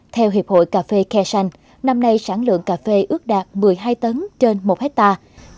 theo hiệp hội cà phê khe xanh năm nay sản lượng cà phê ước đạt một mươi hai tấn trên một hectare